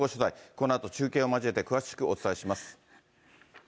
このあと中継を交えて詳しくお伝えします。